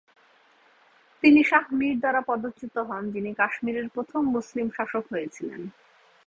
তিনি শাহ মীর দ্বারা পদচ্যুত হন, যিনি কাশ্মীরের প্রথম মুসলিম শাসক হয়েছিলেন।